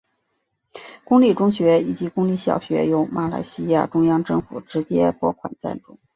公立中学以及公立小学由马来西亚中央政府直接拨款赞助。